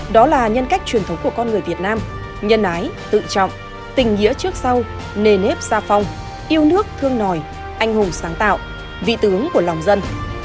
đó là nhân cách truyền thống của con người việt nam nhân ái tự trọng tình nghĩa trước sau nề nếp xa phong yêu nước thương nòi anh hùng sáng tạo vị tướng của lòng dân